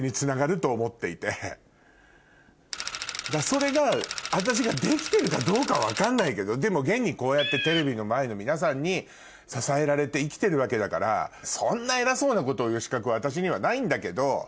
それが私ができてるかどうか分かんないけどでも現にこうやってテレビの前の皆さんに支えられて生きてるわけだからそんな偉そうなことを言う資格は私にはないんだけど。